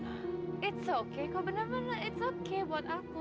gak apa apa kak benar benar gak apa apa buat aku